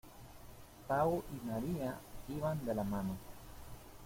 Pau y María iban de la mano.